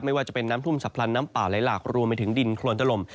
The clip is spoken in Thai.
ไม่ว่าจะน้ำทุ่มสะพานน้ำป่าอะไรหลากถึงกลลังระเบียบรวมไปถึงดินโคลนตะลม